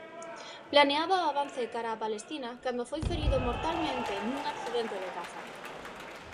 Planeaba o avance cara a Palestina cando foi ferido mortalmente nun accidente de caza.